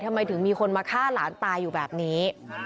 ทำไมถึงมีคนมาฆ่าหลานตายอยู่แบบนี้